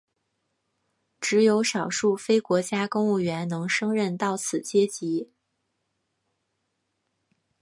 只有少数非国家公务员能升任到此阶级。